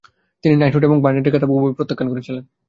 তিনি নাইটহুড এবং ব্যারনেটের খেতাব উভয়ই প্রত্যাখ্যান করেছিলেন।